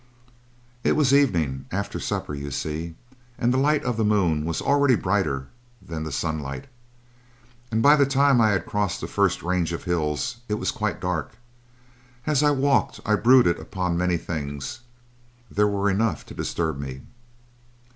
"It was evening after supper, you see and the light of the moon was already brighter than the sunlight. And by the time I had crossed the first range of hills, it was quite dark. As I walked I brooded upon many things. There were enough to disturb me.